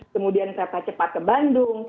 kemudian kereta cepat ke bandung